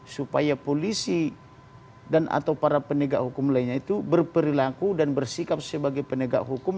supaya polisi dan atau para penegak hukum lainnya itu berperilaku dan bersikap sebagai penegak hukum